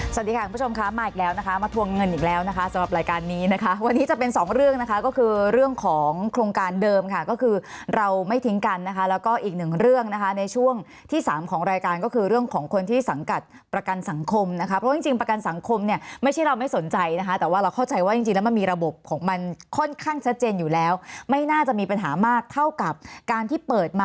สวัสดีค่ะคุณผู้ชมค่ะมาอีกแล้วนะคะมาทวงเงินอีกแล้วนะคะสำหรับรายการนี้นะคะวันนี้จะเป็นสองเรื่องนะคะก็คือเรื่องของโครงการเดิมค่ะก็คือเราไม่ทิ้งกันนะคะแล้วก็อีกหนึ่งเรื่องนะคะในช่วงที่สามของรายการก็คือเรื่องของคนที่สังกัดประกันสังคมนะคะเพราะจริงจริงประกันสังคมเนี่ยไม่ใช่เราไม่สนใจนะคะแต่ว่าเราเข้าใจว่าจริง